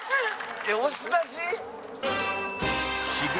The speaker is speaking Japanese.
押し出し？